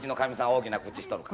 大きな口しとるか？